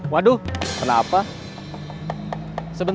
jadi dia selalu ngelakuin